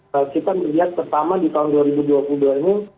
nah kita melihat pertama di tahun dua ribu dua puluh dua ini